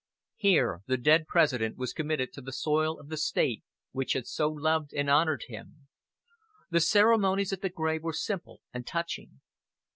Here the dead President was committed to the soil of the State which had so loved and honored him. The ceremonies at the grave were simple and touching.